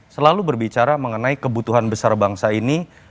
selalu berbicara mengenai kebutuhan besar bangsa ini